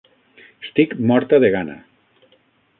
Estic morta de gana.